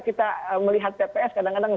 kita melihat tps kadang kadang